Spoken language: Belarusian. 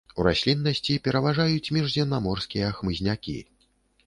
У расліннасці пераважаюць міжземнаморскія хмызнякі.